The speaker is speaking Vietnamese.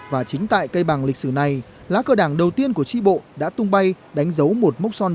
và chính tại cây bàng lịch sử này lá cờ đảng đầu tiên của tri bộ đã tung bay đánh dấu một mốc son